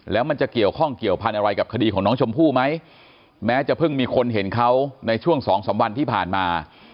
แล้วมันจะเกี่ยวข้องเกี่ยวพันธ์อะไรกับคดีของน้องชมพู่ไหมแม้จะเพิ่งมีคนเห็นเขาในช่วงสองสามวันที่ผ่านมา